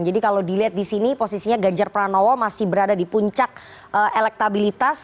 jadi kalau dilihat di sini posisinya ganjar pranowo masih berada di puncak elektabilitas